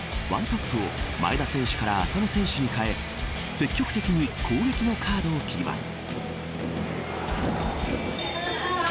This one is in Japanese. １トップを前田選手から浅野選手に変え積極的に攻撃のカードを切ります。